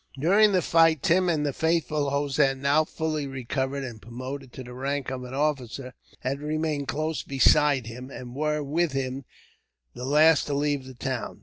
During the fight Tim and the faithful Hossein, now fully recovered and promoted to the rank of an officer, had remained close beside him; and were, with him, the last to leave the town.